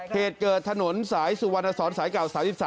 เหตุเกิดถนนสายสุวรรณสอนสายเก่า๓๓